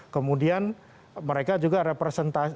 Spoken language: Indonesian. kemudian mereka juga representasi